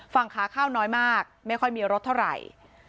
ฝั่งขาข้าวน้อยมากไม่ค่อยมีรถเท่าไหร่